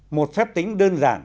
một phép tính đơn giản